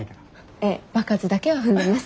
ええ場数だけは踏んでます。